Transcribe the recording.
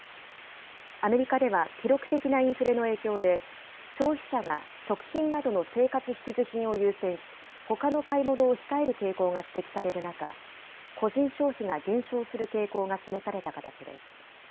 アメリカでは、記録的なインフレの影響で、消費者が食品などの生活必需品を優先し、ほかの買い物を控える傾向が指摘される中、個人消費が減少する傾向が示された形です。